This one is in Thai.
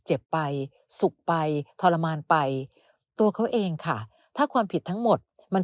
เจ็บไปสุขไปทรมานไปตัวเขาเองค่ะถ้าความผิดทั้งหมดมัน